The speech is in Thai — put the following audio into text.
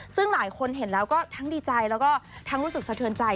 ซึ่งหลายคนเห็นแล้วก็ทั้งดีใจแล้วก็ทั้งรู้สึกสะเทือนใจ